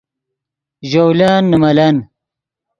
ژولن نے ملن